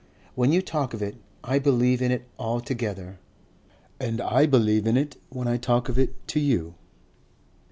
When you talk of it I believe in it altogether." "And I believe in it, when I talk of it to you."